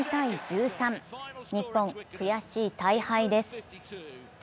日本、悔しい大敗です。